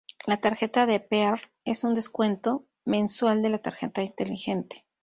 La Tarjeta de Pearl es un descuento, mensual de la tarjeta inteligente.